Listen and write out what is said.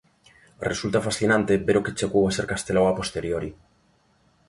Resulta fascinante ver o que chegou a ser Castelao a posteriori.